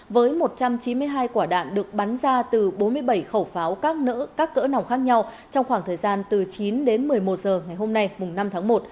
với một trăm chín mươi hai quả đạn được bắn ra từ bốn mươi bảy khẩu pháo các nỡ các cỡ nòng khác nhau trong khoảng thời gian từ chín đến một mươi một giờ ngày hôm nay năm tháng một